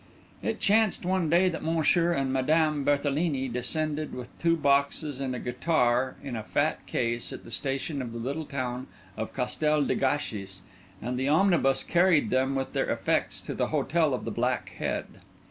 It chanced one day that Monsieur and Madame Berthelini descended with two boxes and a guitar in a fat case at the station of the little town of Castel le Gâchis, and the omnibus carried them with their effects to the Hotel of the Black Head.